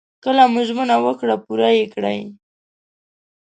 کله مو ژمنه وکړه پوره يې کړئ.